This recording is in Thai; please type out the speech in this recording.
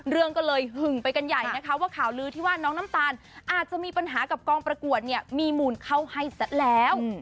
เรื่องก็เลยหึงไปกันใหญ่นะคะว่าข่าวลือที่ว่าน้องน้ำตาลอาจจะมีปัญหากับกองประกวดเนี่ยมีมูลเข้าให้ซะแล้ว